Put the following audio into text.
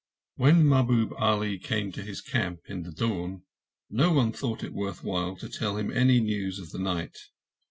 When Mahbub Ali came to his camp in the dawn, no one thought it worth while to tell him any news of the night.